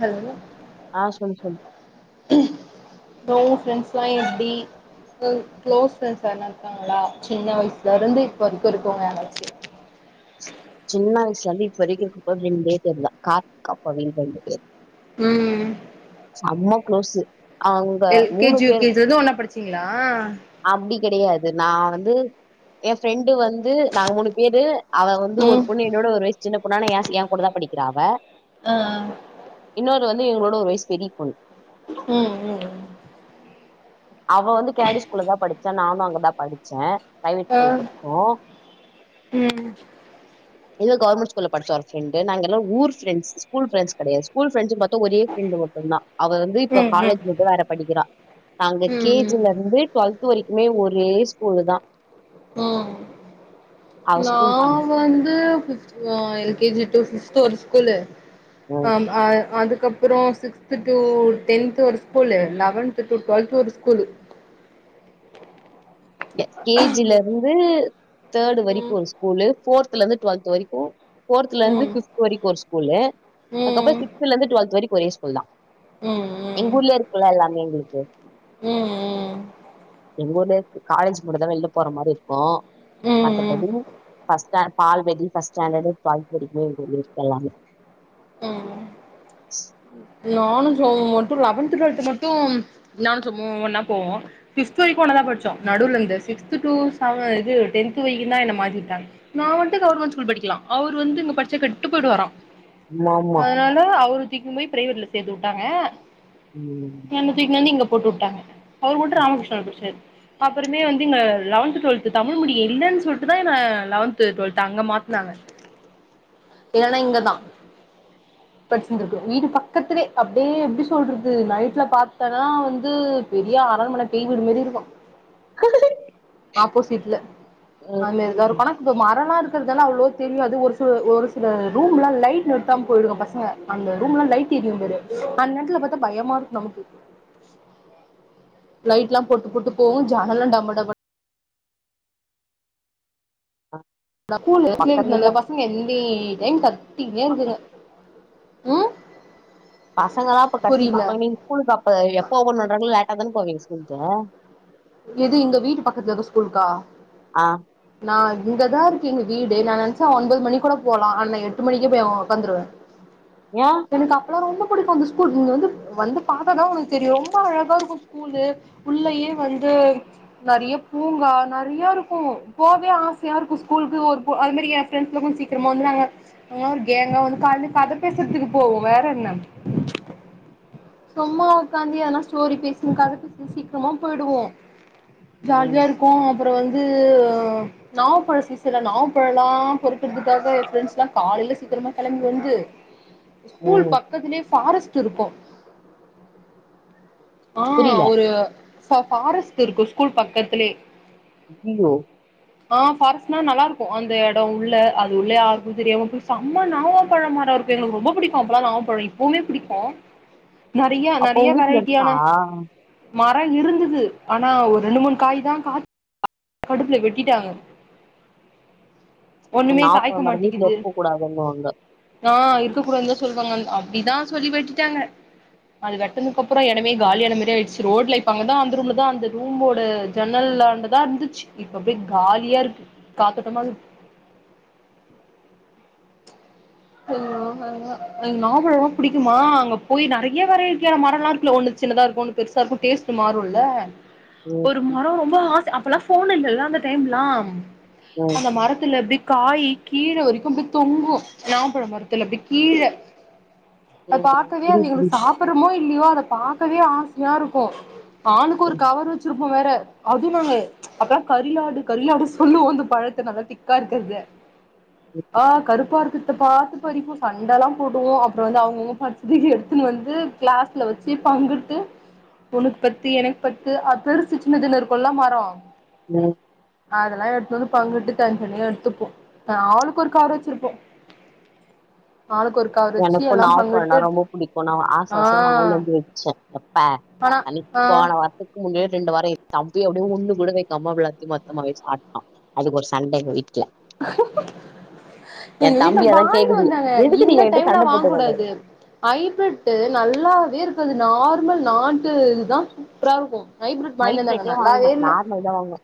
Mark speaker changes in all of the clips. Speaker 1: Hello
Speaker 2: ஆ சொல்லு சொல்
Speaker 1: ப்ரோ உங் ஃப்ரெண்ட்ஸ்லா எப்டி அ க்ளோஸ் ஃப்ரெண்ட்ஸ் யார்னா இருக்காங்களா சின்ன வயசுலருந்து இப்போ இருக்கரிக்கோ யாராச்சி
Speaker 2: சின்ன வயஸ்லர்ந்து இப்ப வெரிக்கு க்ளோஸ் ஃப்ரெண்டே [unintelligible]
Speaker 1: ம்
Speaker 2: சம்ம close
Speaker 1: L K G U K ஜிலர்ந்து ஒன்னா படிச்சீங்களா
Speaker 2: அப்டி கெடையாது நா வந்து எ ஃப்ரெண்டு வந்து நாங்க மூணு பேரு அவ வந்து ஒரு
Speaker 1: ம்
Speaker 2: பொண்ணு என்னோட ஒரு வய்ஸ் சின்ன பொண்ணு ஆனா ஏ ஏன் கூட தா படிக்கிறா அவ
Speaker 1: ஆ
Speaker 2: இன்னொரு வந்து இவ்ங்களோட ஒரு வய்சு பெரி பொண்ணு
Speaker 1: ம் ம் ம்
Speaker 2: அவ வந்து கேடி ஸ்கூல்லதா படிச்சா நானு அங்கதா படிச்சே ப்ரைவேட்
Speaker 1: ஆ
Speaker 2: ஸ்கூல்ல படிச்சோ
Speaker 1: ம்
Speaker 2: இங்க கவர்மெண்ட் ஸ்கூல படிச்சா ஒரு ஃப்ரெண்டு நாங்கெல்லா ஊரு ஃப்ரெண்டஸ் ஸ்கூல் ஃப்ரெண்ட்ஸ் கெடையது ஸ்கூல் ஃப்ரெண்ட்ஸுன் பாத்தா ஒரே ஃப்ரெண்டு மட்டுந்தா அவ வந்து
Speaker 1: ம்
Speaker 2: இப்ப
Speaker 1: ம்
Speaker 2: காலேஜ் வந்து வேற படிக்கிறா நாங்க
Speaker 1: ம் ம்
Speaker 2: கேஜில இருந்து ட்லொல்த்து வரிக்குமே ஒரே ஸ்கூலு தா
Speaker 1: ம்
Speaker 2: அவ
Speaker 1: நா
Speaker 2: ஸ்கூலுக்கு
Speaker 1: வந்து அ L K G to sixth ஒரு ஸ்கூலு
Speaker 2: ம்
Speaker 1: அம் அ அதுக்கப்புறோ சிக்ஸ்து டூ டென்த்து ஒரு ஸ்கூலு லெவன்த் டூ ட்வெல்த்து ஒரு ஸ்கூலு
Speaker 2: ங்க கேஜில இருந்து தேடு வரிக்கு
Speaker 1: ம்
Speaker 2: ஒரு ஸ்கூலு போர்த்துலந்து ட்வெல்த்து வரிக்கு போர்த்துலந்து
Speaker 1: ம்
Speaker 2: ஃபிஃப்த்து வரிக் ஒரு ஸ்கூலு அத்க்கப்புற
Speaker 1: ம்
Speaker 2: சிக்ஸ்த்துலந்து டுவெல்த் வரிக் ஒரே ஸ்கூல் தா
Speaker 1: ம்
Speaker 2: எங் ஊர்ல இருக்கலா எல்லாமே எங்களுக்கு
Speaker 1: ம் ம்
Speaker 2: ங்க ஊர்ல காலேஜ் மட்டதா வெள்ல போற மாரி இருக்கு
Speaker 1: ம் ம்
Speaker 2: மத்தபடி ஃபஸ் ஸ்டான் பால் வெடி ஃபஸ்ட் ஸாண்டடு ட்வல்த் வரிக்குமே இருக்க [unintelligible] எல்லாமே
Speaker 1: ம் நானு சுமு மட்டு லெவன்த்து ட்வெல்த்து மட்டும் நானு சுமு ஒன்னா போவோ ஃபிஃப்த் வரிக்கு ஒன்னதா படிச்சோ நடுவுல இந்த சிக்ஸ்த்து டூ சவ இது டென்த்து வெரிக்கு தா என்ன மாத்தி வுட்டாங் நா மட்டு கவர்மெண்ட் ஸ்கூல் படிக்கலா அவுரு வந்து இங்க பட்ச்ச கெட்டு போய்டுவாரா
Speaker 2: ஆமா ஆமா
Speaker 1: அதனால அவுருதிக்கும் போய் ப்ரைவேட்ல சேத்து வுட்டாங்க
Speaker 2: ம்
Speaker 1: என்ன தூக்கினு வந்து இங்க போட்டு விட்டாங்க அவரு மட்டு ராமகிருஷ்னால படிச்சாரு அப்புறமே வந்து இங்க லெவன்த் டுவெல்த்து தமிழ் மீடிய இல்லன்னு சொல்ட்டுதா என்ன லெவன்த் டுவெல்த் அங்க மாத்துனாங்க இல்லனா இங்கதா படிச்சிருந்துப்பே வீடு பக்கத்துலே அப்டியே எப்டி சொல்றது நைட்ல பாத்தேனா வந்து பெரிய அரண்மன பேய் விடு மாரி இருக்கு ஆப்போசிட்ல
Speaker 2: ம்.
Speaker 1: அதுமேரிதா இருக்கு அனா இப்ப மரல்லா இருக்கு இருக்கறதுலா அவ்ளோ தெரியாது ஒரு சில ஒரு ரூம்ல லைட் நிறுத்தாம போயிடுங்க பசங்க அந்த ரூம்ல லையிட் எறியும் பாரு அந்த நேரத்துல பாத்தா பயமா நம்க்கு லைட்லா போட்டு போட்டு போவு ஜன்னெல்லா டம டமனு
Speaker 2: ஆ
Speaker 1: [unintelligible] பசங்க எந்தி டைம் கத் திக்குனே இருக்குக ம்
Speaker 2: பசங்களா இப்ப கத்திட்டு
Speaker 1: புரில
Speaker 2: இருப்பாங்க நீ ஸ்கூலுக்கு அப்ப எப்போ ஓப்பன் பண்ணுன்றாங்கள லேட்டாதானே போவீங்க ஸ்கூலுக்கு
Speaker 1: எது இங்க வீட்டு பக்கத்துல இருக்க ஸ்கூலுக்கா
Speaker 2: ஆ
Speaker 1: நா இங்கதா இருக்கு எங்க வீடு நா நினைச்சா ஒம்பது மணிக்கு கூட போலா அனா எட்டு மணிக்கே அங்க போய் உக்காந்துருவே
Speaker 2: ஏ
Speaker 1: எனக்கு அப்பல்லா ரொம்ப பிடிக்கு அந்த ஸ்கூல் இங்க வந்து வந்து பாத்தா தா உனக்கு தெரியு ரொம்ப அழகா இருக்கு ஸ்கூலு உள்ளயே வந்து நறைய பூங்கா நறைய இருக்கு போவே ஆசையா இருக்கு ஸ்கூலுக்குலா அது மாரி எ ஃப்ரெண்ட்ஸ்லா கொஞ்ச சீக்கிரமா வந்து நாங்க ஒரு கேங்கா வந்து கால கதை பேசறதுக்கு போவோ வேற என்ன சும்மா உக்காந்து எதனா ஸ்டோரி பேசசினு கதை பேச சீக்கிரமா போயிடுவோ ஜாலியா
Speaker 2: ம்
Speaker 1: இருக் கோ அப்புற வந்து நவாப்பழ சீசன்ல நவாப்பழ எல்லா பொறுக்கறதுக்காக என் ஃப்ரெண்ட்ஸ்லா காலைல சீக்கிரமா கெளம்பி வந்து ஸ்கூல்
Speaker 2: ம்
Speaker 1: பக்கத்துலயே ஃபாரஸ்ட் இருக்கு ஆ
Speaker 2: புரியல
Speaker 1: ஒரு ஃபாரஸ்ட் இருக்கு ஸ்கூல் பக்கத்துலே
Speaker 2: ஐயியோ
Speaker 1: ஆ ஃபாரஸ்ட்னா நல்லா இருக்கு அந்த எடோ உள்ள அது உள்ள யாருக்கு தெரியாம போய் செம்ம நாவ பழமரம் இருக்கு எங்களுக்கு ரொம்ப பிடிக்கு அப்பல்லா நாவ பழோ இப்பவுமே பிடிக்கு நறைய
Speaker 2: அப்போ
Speaker 1: நறைய
Speaker 2: உ வீட்ல
Speaker 1: வெரைட்டியான
Speaker 2: இருக்கா
Speaker 1: மர இருந்துது ஆனா ஒரு ரெண்டு மூணு காய்தா கா கடுப்புல வெட்டிட்டாங்க ஒன்னுமே
Speaker 2: நா போட
Speaker 1: காய்க்க
Speaker 2: மாட்ட வீட்ல
Speaker 1: மாட்டிக்குது
Speaker 2: இருக்க கூடாதுன்னுவாங்க
Speaker 1: ஆ இருக்க கூடாதுனுதா சொல்லுவாங்க அப்டிதா சொல்லி வெட்டிட்டாங்க அது வெட்டனுக்கப்புற எடமே காலியான மாரி ஆயிச்சு ரோட்ல இப்ப அங்கதா அந்த ரூம்லதா அந்த ரூம்மோட ஜன்னல்லாண்டதா இருந்துச்சு இப்ப அப்டியே காலியா இருக்கு காத்தோட்டமா ஹலோ எனக்கு நவா பழோலா புடிக்குமா அங்க போய் நறைய வெரைட்டியான மரல்லா இருக்குல்ல ஒன்னு சின்னதா இருக்கு ஒன்னு பெருசாருக்கு டேஸ்ட்டு மாறுல்ல
Speaker 2: ம்
Speaker 1: மரோ ரொம்ப ஆசை அப்பல்லா ஃபோன் இல்லல்ல அந்த டைம்ல்லா
Speaker 2: ஓ
Speaker 1: அந்த மரத்துல அப்டி காயி கீழ வரைக்கு அப்டி தொங்கும் நாப்பழ மரத்துல அப்டி கீழ அத
Speaker 2: ம்
Speaker 1: பாக்கவே அது
Speaker 2: புரியுது
Speaker 1: எங்ளுக்கு
Speaker 2: புரியுது
Speaker 1: சாப் ரமோ இல்லயோ அத பாக்கவே ஆசையா இருக்கு ஆளுக்கு ஒரு
Speaker 2: ம்
Speaker 1: கவர் வெச்சிருப் உ வேற அதுவு நாங்க அப்ப கரிலாடு கரிலாடு சொல்லுவோ அந்த பழத்தை நல்லா திக்கா இருக்றத
Speaker 2: [unintelligible]
Speaker 1: கருப்பார்க்றத பாத்து பறிப்போ சண்டைல்லா போடுவோ அப்புறம் வந்து அவங்கவுங்க பரிச்சிது எடுத்துன்னு வந்து கிளாஸ்ல வெச்சி பங்குட்டு உனுக்கு பத்து எனக்கு பத்து அ பெருசு சின்னதுல இருக்கல்லா மரோ
Speaker 2: ம்
Speaker 1: அதல்லா எடுத்துனு வந்து பங்குட்டு தன் தனிய எடுத்துப்போம் ஆளுக்கு ஒரு காவரு வெச்சிருப்போ ஆளுக்கு ஒரு கவர் வச்சு
Speaker 2: எனக்கு
Speaker 1: எல்லா
Speaker 2: நாவப்பழோன்னா
Speaker 1: பங்கிட்டு
Speaker 2: ரொம்ப புடிக்கு நா ஆச
Speaker 1: ஆ
Speaker 2: ஆசயா வாங்கினுந்து வெச்சே எப்ப
Speaker 1: ஆனா ஆஹ்
Speaker 2: துக்கு முன்னயே ரெண்டு வாரோ இருக் தம்பி அப்டியே ஒன்னு கூட வெக்க அவ்ளோத்தையு மொத்தமாவே சாப்டா அதுக்கு ஒரு சண்ட எங்க வீட்டுல
Speaker 1: எங்க வீட்டுல
Speaker 2: தம்பி அதா
Speaker 1: வாய்னு
Speaker 2: கேக்குது
Speaker 1: வந்தாங்க
Speaker 2: எதுக்குடி
Speaker 1: இந்த
Speaker 2: என்கிட்ட
Speaker 1: டைம்ல
Speaker 2: சண்ட
Speaker 1: வாங்
Speaker 2: போட்டுட்டு வந்த
Speaker 1: கூடாது ஐப்ரட்டு நல்லாவே இருக்காது நார்மல் நாட்டு இதுதா சூப்பரா இருக்கு ஐப்ரட் வாயினு வந்தாங்க நல்லாவே இல்ல
Speaker 2: தாங்க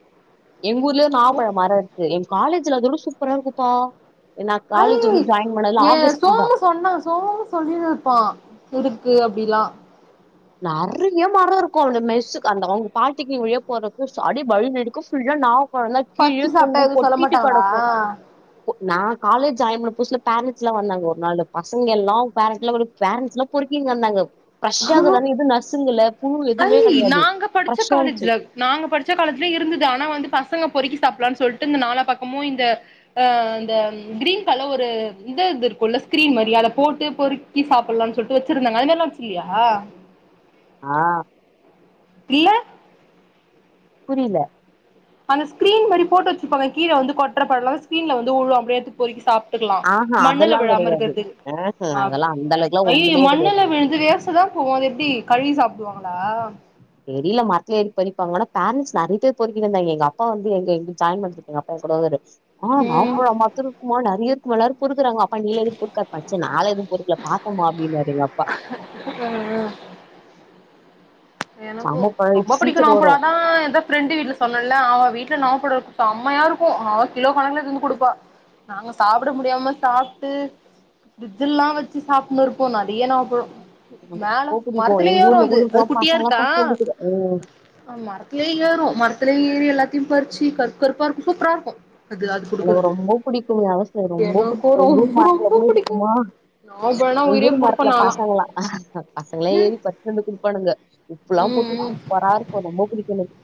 Speaker 2: எங்கஊர்லயே நாவப்பழ மரோ இருக்கு என் காலேஜ்ல அதோட சூப்பரா இருக்குப்பா ன்னா
Speaker 1: ஐ
Speaker 2: காலேஜ் வந்து ஜாயின் பண்ணதுல
Speaker 1: ஏ
Speaker 2: ஆகஸ்ட்டு தா
Speaker 1: சோமு சொன்னா சோ சொல்லி இருப்பா இடுக்கு அப்டில்லா
Speaker 2: நெறைய்ய மரோ இருக்குன அவ மெஸ்ஸுக்கு அந்த அவங்க பால்டெக்னிக்கு வழியா போறது அடி வழி நெடிக்கும் புல்லா நாவ்ப் பழோந்தா கீழயே
Speaker 1: பறிச்சு சாப்ட்டா
Speaker 2: தொங்கு
Speaker 1: எதுவு சொல்ல
Speaker 2: கொட்டிட்டு
Speaker 1: மாட்டாங்களா
Speaker 2: கெடக்கும் நா காலேஜ் ஜாயின் பண்ண புத்சுல ஃபேரண்ட்ஸ்ஸெல்லா வந்தாங்க ஒரு நாளு பசங்க எல்லா பேரண்ட்ஸ் எல்லா வெளியேப் பேரண்ட்ஸ் எல்லா பொருக்கினு வந்தாங்க ச்சாகிது
Speaker 1: ஆ
Speaker 2: ஆனா எது நசுங்கல புழு
Speaker 1: ஐ
Speaker 2: எதுவுமே கிடையாது
Speaker 1: நாங்க படிச்ச
Speaker 2: ப்ரெஷ்ஷாருச்சி
Speaker 1: காலேஜ்ல நாங்க படிச்ச காலத்துலயு இருந்தது ஆனா வந்து பசங்க பொறுக்கி சாப்படலான்னு சொல்ட்டு இந்த நாலா பக்கமும் இந்த அஹ் இந்த கிரீன் கலர் ஒரு இந்த இது இருக்குல்ல ஸ்கிரீன் மாரி அத போட்டு பொருக் டீ சாப்பல்லான்னு சொல்ட்டு வெச்சிருந்தாங்க அதுதல்லா வச்சு இல்லியா
Speaker 2: ஆ
Speaker 1: இல்ல
Speaker 2: புரில
Speaker 1: அந்த ஸ்க்ரீன் மாரி போட்டு வச்சிருப்பாங்க கீழ வந்து கொட்றப்ல்லா ஸ்கிரீன்ல வந்துவுழு அப்டியே எத்து பொருக்கி சாப் ட்ருலாம்
Speaker 2: ஆஹா
Speaker 1: மண்ணுல
Speaker 2: அதெல்லாம்
Speaker 1: விழாம
Speaker 2: கெடையாது.
Speaker 1: இருக்கிறது
Speaker 2: ம்ஹ்ம். அதெல்லாம் அந்த அளவுக்குலாம்
Speaker 1: ஐய்யய்யோ
Speaker 2: ஒண்ணுமே கெடையாது.
Speaker 1: மண்ணுல விழுந்து வேஸ்ட் டுலா போவாது அது எப்டி கழுவி சாப்டுவாங்களா
Speaker 2: தெரில மரத்துல ஏறி பறிப்பாங்க ஆனா பேரண்ட்ஸ் நெறைய பேர் பொறுக்கினுருந்தாய்ங்க எங்கப்பா வந்து எங்க இங் ஜாயின் பண்ணரத் அப்பா கூடவாரு ஆஹ்
Speaker 1: ம்
Speaker 2: நாப்பழோ மர்த்துலருக்குமா நெறைய பூவலாருக் பொறுக்குறாங்க அப்பா நீ எதுக் புக்காரு பரிச்சனா நால எது பொறுக்கல பாத்தமா அப்டின்னு வாருயெங்கப்பா
Speaker 1: [unintelligible] எனக்கு
Speaker 2: செம பழம் இப்ப
Speaker 1: ரொம்ப புடிக்கு
Speaker 2: சீசன் வரும்.
Speaker 1: நாவப்பழோந்தா எந்தப் ஃப்ரெண்டு வீட்டுல சொன்ன இல்ல அவன் வீட்ல நாவப்பழோ செம்மையா இருக்கு அவன் கிலோ கணக்கல எடுத்துட்டு வந்து குடுப்பா நாங்க சாப்ட முடியாம சாப்ட்டு ஃபிரிஜ்ஜெல்லா வச்சு சாப்புட்னு இருப்போ நெறைய நாவப்பழோ
Speaker 2: எனக்கு
Speaker 1: மேல
Speaker 2: ரொம்ப
Speaker 1: மரத்லயே ஏறு அது அது குட்டியா இருக்
Speaker 2: [unintelligible] அ
Speaker 1: அ மரத்லயே ஏறு மரத்லயே ஏறி எல்லாத்தயு பறுச்சு கர்ப் கர்ப்பா இருக்கு சூப்பரா இருக்கு
Speaker 2: எனக்கு ரொம்ப புடிக்குங்க அதா சொன்னே ரொம்ப
Speaker 1: எனக்கும்
Speaker 2: புடிக் எங்க ஊர்
Speaker 1: ரொம்ப
Speaker 2: மரத்துல
Speaker 1: ரொம்ப
Speaker 2: கூட
Speaker 1: பிடிக்கும்.
Speaker 2: இருக்குமா
Speaker 1: நவாப்பழம்னா
Speaker 2: எ
Speaker 1: உயிரே
Speaker 2: ஊர் மரத்துல
Speaker 1: குடுப்பேன் நான்லாம்.
Speaker 2: பசங்களா பசங்களா ஏறி ப [unintelligible] குடுப்பானுங்க உப்பலா
Speaker 1: ம்
Speaker 2: போட்டு
Speaker 1: ம்.
Speaker 2: சூப்பரா இருக்கு ரொம்ப பிடிக்கு எனக்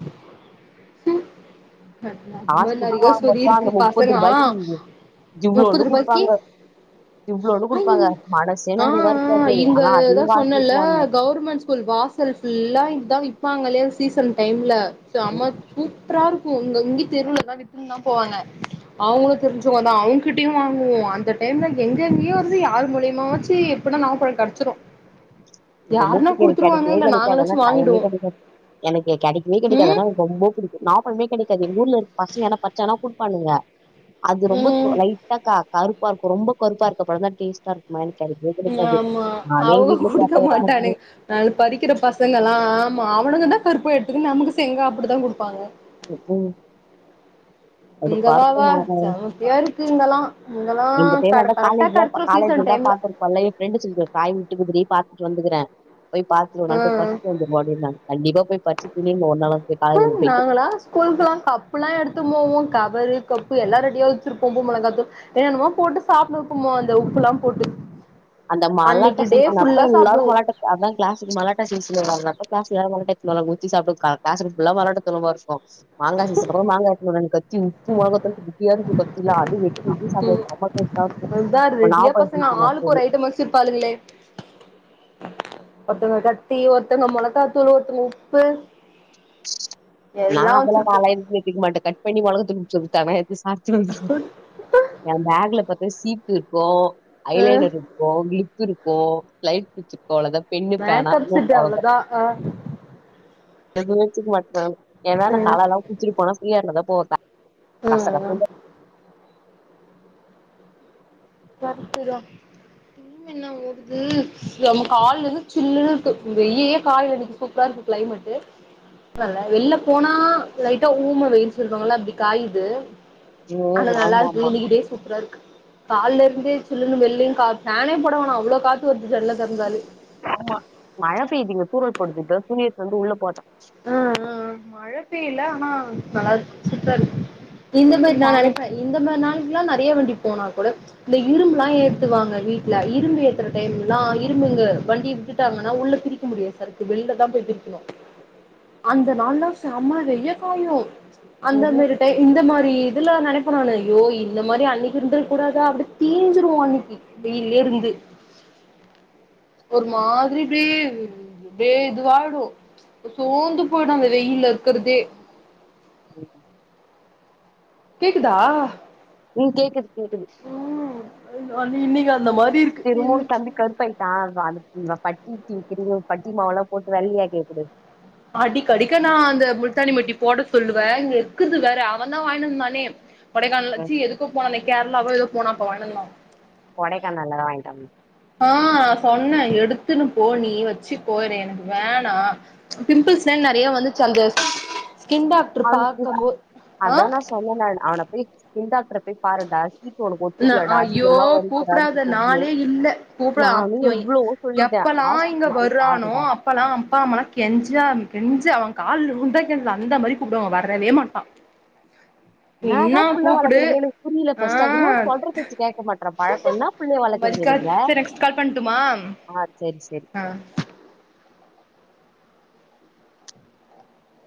Speaker 1: அது
Speaker 2: காசு
Speaker 1: மாரி
Speaker 2: குடுத்து
Speaker 1: நெறையா சொறி
Speaker 2: வாங்கப்பா அந்த
Speaker 1: இருக்கு
Speaker 2: முப்பது
Speaker 1: பசங்க அ
Speaker 2: ரூபாய்க்கு
Speaker 1: முப்பது
Speaker 2: இவ்ளோண்டு
Speaker 1: ரூபாக்கி
Speaker 2: குடுப்பாங்க இவ்ளோண்டு குடுப்பாங்க மனசே
Speaker 1: ஆ ஆ
Speaker 2: நிறைவா இருக்காது ஆனா அதையு
Speaker 1: இங்கதா
Speaker 2: காசு
Speaker 1: சொன்னேல
Speaker 2: குடுத்து வாங்குவ
Speaker 1: கவர்மண்ட்ஸ் ஸ்கூல் வாசல் ஃபுல்லா இத்தா விப்பாங்கல்லே சீசன் டைம்ல செம சூப்பரா இரு கு இங்க இங்க தெருவுலதா விப் துன்தா போவாங்க அவுங்களு தெருஞ்சவங்கதா அவ்ங்கிட்டயு வாங்குவோ அந்த டைம்ல எங்க எங்கயோ இருந்து யார் மூலியமாவாச்சு எப்பினா நவா பழோ கெடச்சுறு
Speaker 2: என ரொம்ப புடிக்கு அது கெடைக்கவே
Speaker 1: இல்ல
Speaker 2: கெடைக்காது ஆனா
Speaker 1: நாங்களாச்சு
Speaker 2: டைமே
Speaker 1: வாங்கிடுவோ
Speaker 2: கெடைக்காது எனக்கு கெடைக்கவே கெடைக்காது
Speaker 1: ம்
Speaker 2: ஆனா எனக்கு ரொம்ப புடிக் நவாப்பழமே கெடைக்காது எங்க ஊர்ல இருக்க பசங்க வேணா பருச்சாங்கனா குடுப்பானுங்க அது ரெம்ப
Speaker 1: ம்
Speaker 2: லைட்டா க கருப்பா இருக்கு ரொம்ப கருப்பா இருக்க பழந் தா டேஸ்ட்டா இருக் [unintelligible] பிடிக்காது
Speaker 1: ஆமா
Speaker 2: நானே வீட்ல சாப்
Speaker 1: நாளு பறிக்கிற பசங்கல்லா ஆமா அவனுக தா பருப்ப எடுத்துக்குனு நமக்கு செங்கா அப்பிடி தா குடுப்பாங்க
Speaker 2: ம் அது
Speaker 1: இங்க வா வா
Speaker 2: பருப்புமாக
Speaker 1: செமத்தியா இருக்கு இங்கெல்லா இங்கெல்லா
Speaker 2: இந்த
Speaker 1: க
Speaker 2: பேனாதா
Speaker 1: கரெக்டா
Speaker 2: காலேஜ் தா
Speaker 1: கெடச்சிரு
Speaker 2: காலேஜ்ல
Speaker 1: சீசன்
Speaker 2: தா
Speaker 1: டைம்ல
Speaker 2: பாத்துருக் பழைய ஃப்ரெண்டு சொல்து காய் விட்டுகுதுடி பாத்துட்டு வந்துகிறே போய் பாத்துனு வந்து
Speaker 1: ம்
Speaker 2: பறுச்சுன்னு வந்துரு முடிய மாட்து கண்டிப்பா போய் பறுச்சு திங்கனு ஒருநாளாவது
Speaker 1: ம் நாங்களா ஸ்கூலுக்குல்லா கப்புலா எடுத்து போவோ கவரு கப்பு எல்லா ரெடியா வச்சுருப்போ உப்பு மொளகாதூள் என்னன்னமோ போட்டு சாப்புடுவோ உப்பு மொ இந்த உப்பல்லா போட்டு
Speaker 2: அந்த மல்லாட்டு
Speaker 1: அன்னைக்கு டே
Speaker 2: சீசன் அப்ப
Speaker 1: ஃபுல்லா
Speaker 2: எல்லாரு
Speaker 1: சாப்டுவோ
Speaker 2: மல்லாட்டு அதா க்ளாஸுக்கு மலாட்டா சீசன் வருவாங்கள்ள அப்ப க்ளாஸ்ல எல்லாரு மல்லாட்டா எடுத்துக்குனு வருவாங்க உருச்சு சாப்டுவோ க க்ளாசுக்கு ஃபுல்லா மல்லாட்டா தோழு வாசோ மாங்கா சீசனப்ப மாங்கா எடுத்துக்குனு வருவாங்க கத்தி உப்பு மொளகாதூள் [unintelligible] இருக்கு கத்தில அது வெ வெட்டி சாப்டுவோ
Speaker 1: ம்
Speaker 2: செம டேஸ்டா இருக்கு இப்ப நாபழ சீசனு அடுத்தது
Speaker 1: சமச்சுர்பாளுகளே ஒருத்தங்க கத்தி ஒருத்தங்க மொளகாத்தூளு ஒருத்தங்க உப்பு
Speaker 2: நா
Speaker 1: எல்லா
Speaker 2: அதல்லா
Speaker 1: வச்சிருப்போ
Speaker 2: நாளா எதுமே எத்திக்க மாட்டே கட் பண்ணி மொளகாதூளு உப்பு குத்தாங்கன்னா எத்து சாப் ஏ பேக்ல பாத்தா சீப் இருக்கு
Speaker 1: ஆ
Speaker 2: ஐலைனர் இரு கு கிளிப் இருக்கு லைட் குச்சிக்கு அவ்ளோதா பென்னு
Speaker 1: மேக்
Speaker 2: பேனா
Speaker 1: அப்
Speaker 2: நோட்
Speaker 1: செட்டு
Speaker 2: அவ்ளோதா
Speaker 1: அவ்ளதா ஆ
Speaker 2: எது வச்சுக்க மாட்டே ஏனா நா
Speaker 1: ம்
Speaker 2: தலல்லா குளுச்சுட்டு போனா ஃப்ரீயா இருந்தாதா போவே த
Speaker 1: ம்
Speaker 2: கசகசனு
Speaker 1: கரெட்டுதா
Speaker 2: ஆ
Speaker 1: என்னா ஓடுது யம்மா காலேல இருந்து சில்லுனு இருக்கு வெய்யயே கால் வலிக்கு சூப்பரா இருக்கு கிளைமட்டு நல்லா வெள்ல போனா லைட்டா ஊம வெயில் சொல்வாங்கள்ள அப்டி காயிது
Speaker 2: ம்
Speaker 1: ஆனா
Speaker 2: ஆமா
Speaker 1: நல்லாருக்கு
Speaker 2: ஆமா
Speaker 1: வீடே சூப்ரா இருக்கு கால்ல இருந்தே சில்லுன்னு வெள்ளயு கா ஃபேனே போட வேணா அவ்ளோ காத்து வருது ஜன்னல தொரந்தாலே
Speaker 2: ஆமா மழ பெய்து இங்க தூரல் போடுது இப்பதா துணிய எடுத்துட்டு வந்து உள்ள போட்டே
Speaker 1: ஆ ஆ மழ பெய்ல ஆனா நல்லாருக்கு சூப்ரா இருக்கு இந்த
Speaker 2: ம்ஹூம்
Speaker 1: மாரி நா
Speaker 2: ஃபேன்
Speaker 1: நெனப்பே இந்த மாரி நாளுக்குல்லா நெறையா வண்டி போனா கூட இந்த இரும்புலா ஏத்துவாங்க வீட்ல இரும்பு ஏத்துற டைம்லா இரும்புங்க வண்டி விட்டுட்டாங்கன்னா உள்ள பிரி க்க முடியாது சரக்கு வெள்ல தா போய் பிரிக்கணு அந்த நாள்னா சம்ம வெய்ய காயு அந்த மாரி இந்த மாரி இதல்லா நனைப்போ நானு ஐயோ இந்த மாரி அன்னைக்கு இருந்தர் கூடதா அப்டி தீஞ்சிருவோ அன்னைக்கி வெயில்லே இருந்து ஒரு மாதிரி இப்டி இதே இது வாடு தோந்து போய்டு அந்த வெயில்ல இருக்கறதே கேக்குதா
Speaker 2: ம் கேக்குது கேக்குது
Speaker 1: ராணி இன்னைக்கு அந்த மாரி இருக்கு வெயிலு
Speaker 2: நானே கருப்பாய் அ அந்த பட்டி டிங்ரிங் பட்டி மாவு எல்லா போட்டு வெள்ளையாகிபுடு
Speaker 1: அடிக்கடிக்க நா அந்த முல்தானி மட்டி போட சொல்லுவ இங்க இருக்குது வேற அவன் தா வாயின்டு வந்தானே கொடைக்கானல்
Speaker 2: ம்
Speaker 1: ச்சு எதுக்கோ போனன்னே கேரளாவோ ஏதோ போனா அப்ப வாயின்ட்டு வந்தா
Speaker 2: கொடைக்கானல்லதா வாங்கிட்டு வந்
Speaker 1: ஆ நா சொன்ன எடுத்துன்னு போ நீ வச்சுக்கோ ஏன்னா எனக்கு வேணா பிம்பிள்ஸ் தா நறைய வந்துச்சு அந்த ஸ்கின் டாக்
Speaker 2: அதா நா சொன்னன அவன போய் ஸ்கின் டாக்டர போய் பாருடா ஹீட் உனக்கு
Speaker 1: நா
Speaker 2: ஒத்துக்லடா
Speaker 1: ஐயோ
Speaker 2: அதிகமா வருதுடான்
Speaker 1: கூப்டாத நாளே இல்ல கூப்ட
Speaker 2: சொல்லி
Speaker 1: இவ
Speaker 2: எவ்ளவோ சொல்லிட்ட
Speaker 1: எப்பல்லா இங்க
Speaker 2: ஹாஸ்பிட்டல போய்
Speaker 1: வர்றானோ
Speaker 2: பாருடான்
Speaker 1: அப்பல்லா அப்பா அம்மலா கெஞ்சா கெஞ்சு அவன் கால்ல உழுந்தா கேக்கல அந்த மாரி கூப்டுவாங்க வரவே மாட்டான்
Speaker 2: என்னா தா புள்ள
Speaker 1: கூப்புடு
Speaker 2: வளர்க்குறீங்க எனக் புரில
Speaker 1: ஆ
Speaker 2: ஃபர்ஸ்ட்டு அது என்னா சொல்ற பேச்ச கேட்க மாட்ற பழக்கோ என்னா புள்ளைய வளக்கிறிங்க
Speaker 1: மதிக்கா
Speaker 2: நீங்க
Speaker 1: சரி நெக்ஸ்ட் கால் பண்ட்டுமா
Speaker 2: ஆ சேர் செரி
Speaker 1: ஆ